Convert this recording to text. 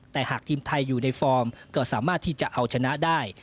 แต่หากทีมไทยอยู่ในฟอร์มก็สามารถที่จะเอาชนะได้